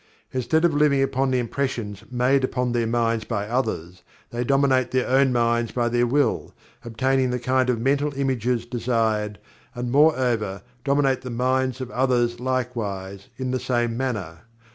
Instead of living upon the impressions made upon their minds by others, they dominate their own minds by their Will, obtaining the kind of mental images desired, and moreover dominate the minds of others likewise, in the same manner.